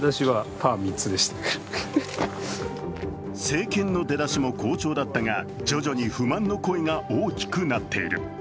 政権の出だしも好調だったが徐々に不満の声が大きくなっている。